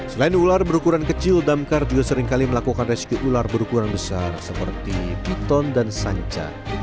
selain ular berukuran kecil damkar juga seringkali melakukan rescue ular berukuran besar seperti piton dan sanca